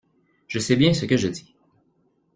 Je sais bien ce que je dis.